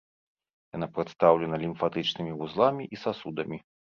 Яна прадстаўлена лімфатычнымі вузламі і сасудамі.